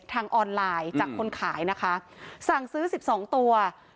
ทางออนไลน์จากคนขายนะคะสั่งซื้อ๑๒ตัว